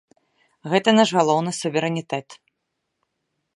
Гэта наш галоўны суверэнітэт!